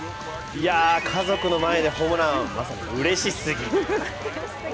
家族の前でホームランまさにうれしすぎ。